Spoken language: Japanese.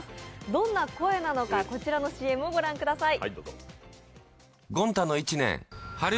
どんな声なのか、こちらのＣＭをご覧ください。